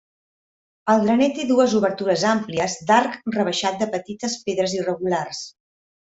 El graner té dues obertures àmplies d'arc rebaixat de petites pedres irregulars.